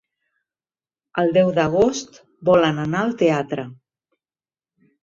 El deu d'agost volen anar al teatre.